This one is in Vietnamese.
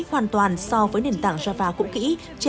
hoàn toàn so với nền tảng java cũ kỹ